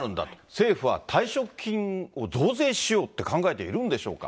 政府は退職金を増税しようって考えているんでしょうか。